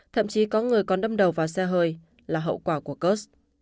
thậm chí có người còn đâm đầu vào xe hơi là hậu quả của kurs